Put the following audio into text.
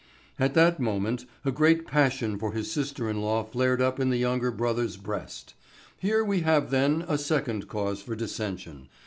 At that moment a great passion for his sister in law flared up in the younger brother's breast. Here we have then a second cause for dissension.